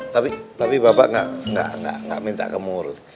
tapi tapi bapak gak minta kamu urut